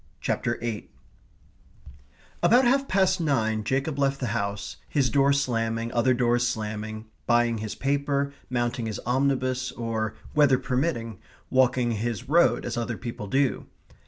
CHAPTER EIGHT About half past nine Jacob left the house, his door slamming, other doors slamming, buying his paper, mounting his omnibus, or, weather permitting, walking his road as other people do.